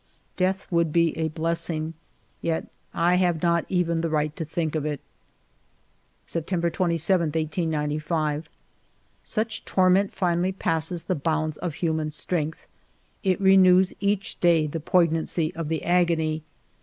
Death would be a blessing, yet I have not even the right to think of it ! September 27, 1895. Such torment finally passes the bounds of human strength. It renews each day the poi gnancy of the agony.